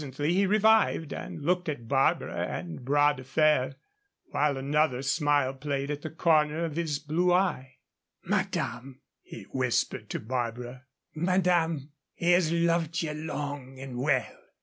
Presently he revived and looked at Barbara and Bras de Fer, while another smile played at the corner of his blue eye. "Madame," he whispered to Barbara "madame, he has loved ye long and well.